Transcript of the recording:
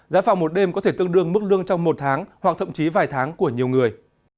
giá phòng một đêm có thể tương đương mức lương trong một tháng hoặc thậm chí vài tháng của nhiều người